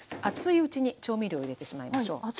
熱いうちに調味料を入れてしまいましょう。